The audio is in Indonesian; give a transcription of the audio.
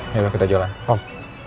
ya udah kita jalan om